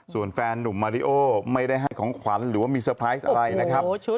ส่วนแฟนนุ่มมาริโอไม่ได้ให้ของขวัญหรือว่ามีเซอร์ไพรส์อะไรนะครับ